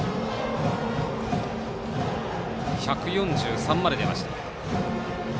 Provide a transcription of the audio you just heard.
１４３まで出ました。